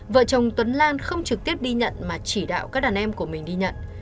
vợ chồng tuấn lan không trực tiếp đi nhận mà chỉ đạo các đàn em của mình đi nhận